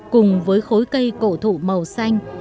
cùng với khối cây cổ thụ màu xanh